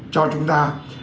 cho chúng ta